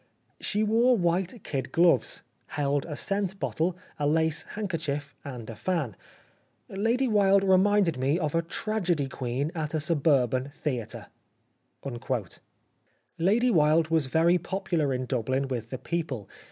She wore white kid gloves, held a scent bottle, a lace handkerchief , and a fan. Lady Wilde reminded me of a tragedy queen at a suburban theatre." Lady Wilde was very popular in Dublin with the people.